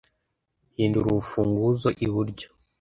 hindura urufunguzo iburyo